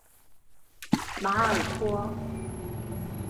马尔托。